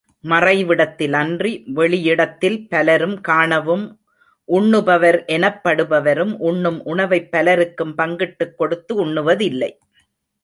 மறைவிடத்திலன்றி வெளியிடத்தில் பலரும் காணவும் உண்ணுபவர் எனப்படுபவரும் உண்ணும், உணவைப் பலருக்கும் பங்கிட்டுக் கொடுத்து உண்ணுவதில்லை.